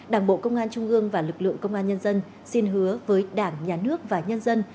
đảng bộ công an trung ương và lực lượng công an nhân dân xin hứa với đảng nhà nước và nhân dân